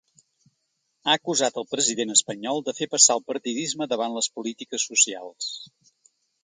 Ha acusat el president espanyol de fer passar el partidisme davant les polítiques socials.